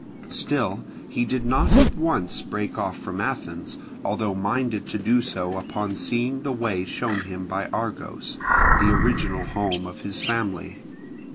Still he did not at once break off from Athens, although minded to do so upon seeing the way shown him by Argos, the original home of his family.